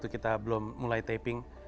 kita belum mulai taping